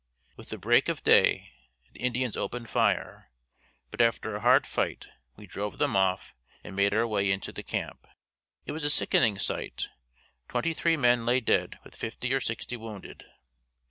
With the break of day the Indians opened fire, but after a hard fight we drove them off and made our way into the camp. It was a sickening sight. Twenty three men lay dead with fifty or sixty wounded.